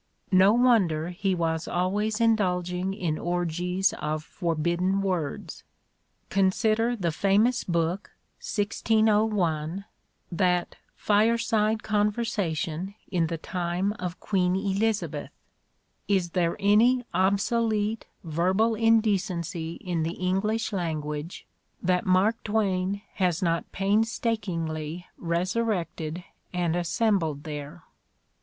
No wonder he was always indulging in orgies of forbidden words. Consider the famous book, "1601," that "fireside conversation in the time of Queen Elizabeth": is there any obsolete verbal indecency in the English language that Mark Twain has not painstakingly resurrected and assembled there